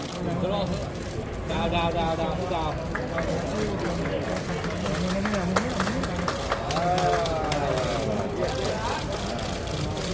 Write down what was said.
ทุกคนโทรมานดีต้องเพิ่มขอบคุณ